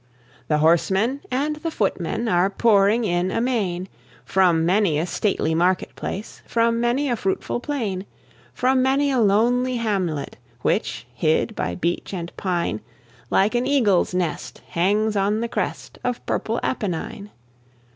The horsemen and the footmen Are pouring in amain, From many a stately market place, From many a fruitful plain; From many a lonely hamlet, Which, hid by beech and pine, Like an eagle's nest, hangs on the crest Of purple Apennine.